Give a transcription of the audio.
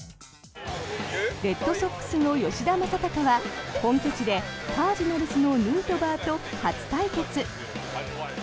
レッドソックスの吉田正尚は本拠地でカージナルスのヌートバーと初対決。